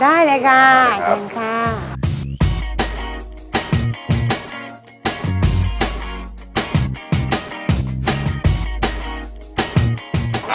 ได้แหละค่ะขออนุญาตบุกเข้าไปดูเส้นบะหมี่ได้ไหม